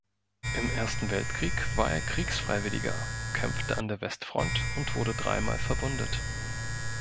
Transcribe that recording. Im Ersten Weltkrieg war er Kriegsfreiwilliger, kämpfte an der Westfront und wurde dreimal verwundet.